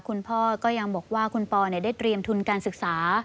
คุณพ่อก็ยังบอกว่าคุณปอได้เตรียมทุนการศึกษา